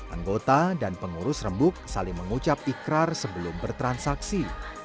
anggota dan pengurus rembuk saling mengucap ikrar sebelum bertransaksi